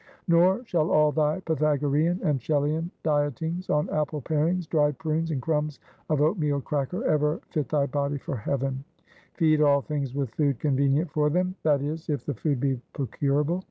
Nor shall all thy Pythagorean and Shellian dietings on apple parings, dried prunes, and crumbs of oat meal cracker, ever fit thy body for heaven. Feed all things with food convenient for them, that is, if the food be procurable.